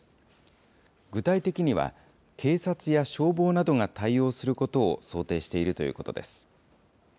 具体的には、警察や消防などが対応することを想定しているということです。